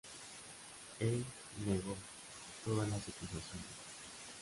Él negó todas las acusaciones.